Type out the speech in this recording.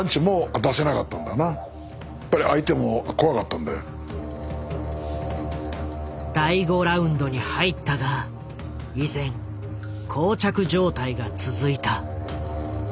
うんでも第５ラウンドに入ったが依然こう着状態が続いた。